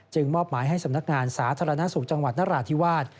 มอบหมายให้สำนักงานสาธารณสุขจังหวัดนราธิวาส